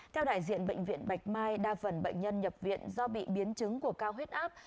theo đại diện bệnh viện bạch mai đa phần bệnh nhân nhập viện do bị biến chứng của cao huyết áp